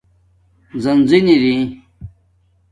زِن زَن ارائ